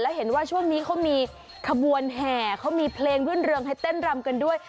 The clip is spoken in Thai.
แล้วเห็นว่าช่วงนี้เขามีระบวนแห่เขามีเพลงรื่นให้เต้นรำกันด้วย